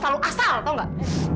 selalu asal tau gak